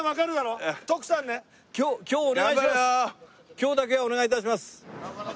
今日だけはお願い致します。